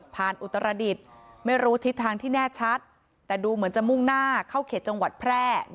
อุตรดิษฐ์ไม่รู้ทิศทางที่แน่ชัดแต่ดูเหมือนจะมุ่งหน้าเข้าเขตจังหวัดแพร่